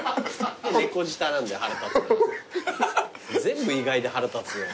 全部意外で腹立つよ。